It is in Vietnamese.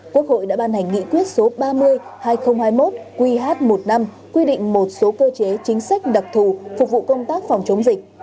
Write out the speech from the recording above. quốc hội đã ban hành nghị quyết số ba mươi hai nghìn hai mươi một qh một năm quy định một số cơ chế chính sách đặc thù phục vụ công tác phòng chống dịch